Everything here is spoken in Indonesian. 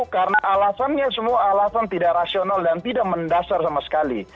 karena alasannya semua alasan tidak rasional dan tidak mendasar sama sekali